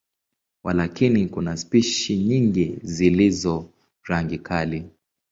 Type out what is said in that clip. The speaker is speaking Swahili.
Walakini, kuna spishi nyingi zilizo rangi kali.